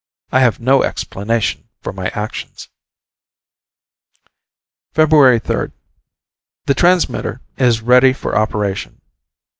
I have no explanation for my actions. Feb. 3. The transmitter is ready for operation.